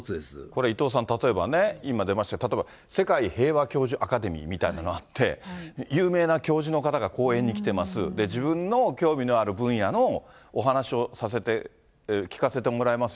これ、伊藤さん、例えばね、今出ました、例えば世界平和教授アカデミーみたいなのがあって、有名な教授の方が講演に来てます、自分の興味のある分野のお話をさせて、聞かせてもらえます